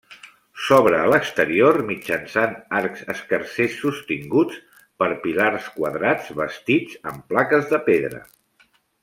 S'obre a l'exterior mitjançant arcs escarsers sostinguts per pilars quadrats bastits amb plaques de pedra.